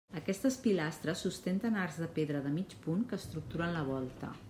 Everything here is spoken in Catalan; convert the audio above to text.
Aquestes pilastres sustenten arcs de pedra de mig punt que estructuren la volta.